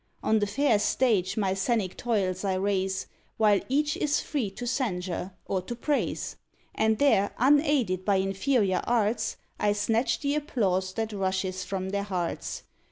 On the fair stage my scenic toils I raise, While each is free to censure or to praise; And there, unaided by inferior arts, I snatch the applause that rushes from their hearts.